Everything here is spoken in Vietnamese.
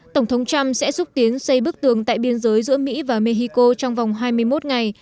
tổng thống trump sẽ xúc tiến xây bức tường tại biên giới giữa mỹ và mexico trong vòng hai mươi một ngày